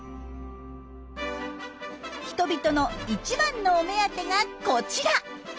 人々の一番のお目当てがこちら！